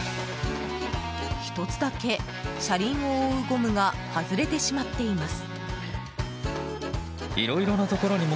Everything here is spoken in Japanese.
１つだけ車輪を覆うゴムが外れてしまっています。